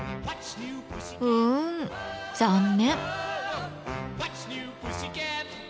うん残念！